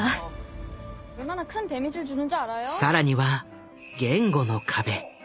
更には言語の壁。